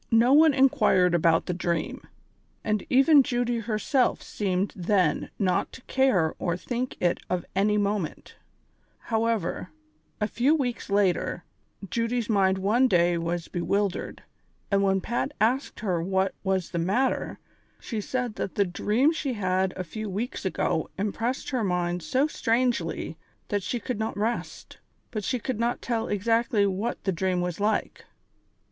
84 THE SOCIAL WAR OP 1900; OR, "No one inquired about the dream, and even Judy herself seemed then nut to care or think it of any moment ; how ever, a few weelcs hiter, Judy's mind one day was bewil dered, and when Pat asked her what was the matter, she said, that the dream she had a few Aveeks ago impressed her mind so strangely that she could not rest, but she could not tell exactly what the dream Avas like.